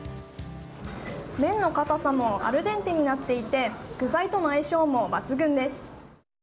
麺の硬さもアルデンテになっていて具材との相性も抜群です。